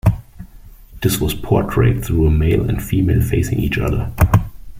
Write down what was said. This was portrayed through a male and female facing each other.